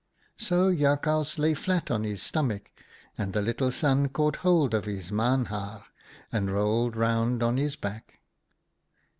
" So Jakhals lay flat on his stomach, and the little Sun caught hold of his maanhaar, and rolled round on his back.